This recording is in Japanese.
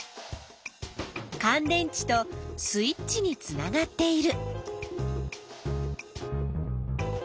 かん電池とスイッチにつながっている。